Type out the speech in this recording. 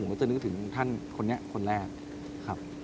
ผมก็จะนึกถึงท่านคนนี้คนแรกครับ